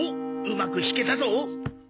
うまく引けたぞ！